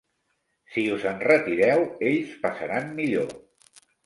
Si us enretireu, ells passaran millor.